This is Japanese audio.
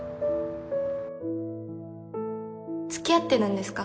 付き合ってるんですか？